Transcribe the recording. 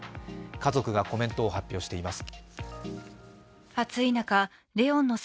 家族がコメントを発表しています。